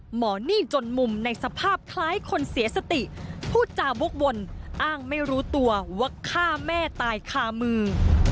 หมอนี่จนมุมในสภาพคล้ายคนเสียสติพูดจาวกวนอ้างไม่รู้ตัวว่าฆ่าแม่ตายคามือ